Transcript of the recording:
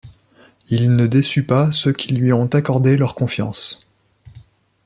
Il ne déçut pas ceux qui lui ont accordé leur confiance.